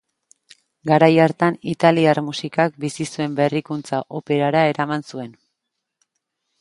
Garai hartan italiar musikak bizi zuen berrikuntza operara eraman zuen.